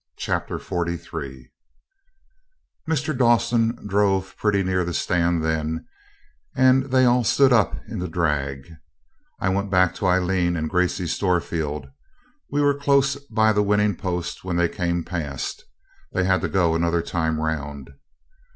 Chapter 43 Mr. Dawson drove pretty near the stand then, and they all stood up in the drag. I went back to Aileen and Gracey Storefield. We were close by the winning post when they came past; they had to go another time round.